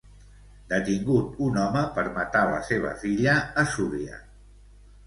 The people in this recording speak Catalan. Detingut un home per matar la seva filla a Súria.